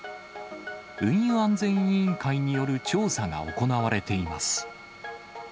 運輸安全委員会による調査が行われています。